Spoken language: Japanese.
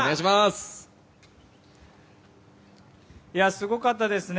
すごかったですね。